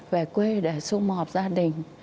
về quê để xung họp gia đình